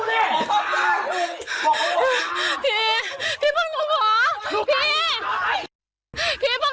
พี่ผมหนูขอพี่หนูขอ